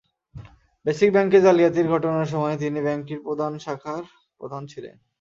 Basic ব্যাংকে জালিয়াতির ঘটনার সময় তিনি ব্যাংকটির প্রধান শাখার প্রধান ছিলেন।